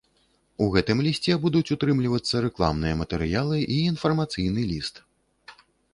У гэтым лісце будуць утрымлівацца рэкламныя матэрыялы і інфармацыйны ліст.